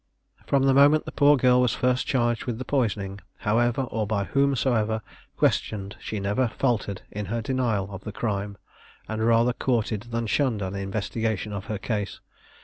From the moment the poor girl was first charged with the poisoning, however or by whomsoever questioned, she never faltered in her denial of the crime, and rather courted than shunned an investigation of her case.